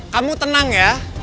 kamu tenang ya